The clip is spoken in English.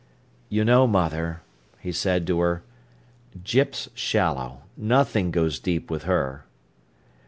"You know, mother," he said to her, "Gyp's shallow. Nothing goes deep with her."